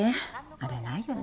あれないよね。